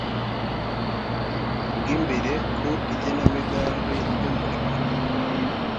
bw imbere ku igenamigambi ry umurimo